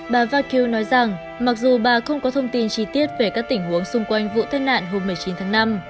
bà vakir nói rằng mặc dù bà không có thông tin chi tiết về các tình huống xung quanh vụ tai nạn hôm một mươi chín tháng năm